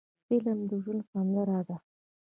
فلم د ژوند سندره ده